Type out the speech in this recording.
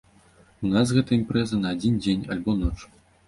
У нас гэта імпрэза на адзін дзень альбо ноч.